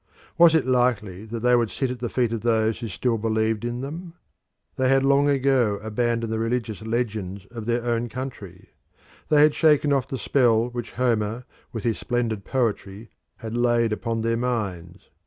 Was it likely that they would sit at the feet of those who still believed in them? They had long ago abandoned the religious legends of their own country; they had shaken off the spell which Homer with his splendid poetry had laid upon their minds.